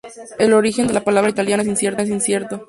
El origen de la palabra italiana es incierto.